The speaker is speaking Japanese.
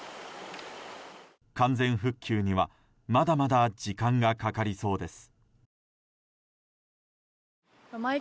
完全復旧にはまだまだ時間がかかりそうです。